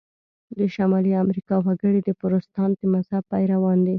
د شمالي امریکا وګړي د پروتستانت د مذهب پیروان دي.